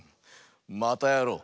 またやろう！